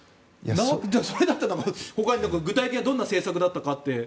それだったら、ほかに具体的にどんな政策だったかって。